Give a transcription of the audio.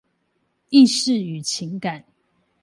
意識與感情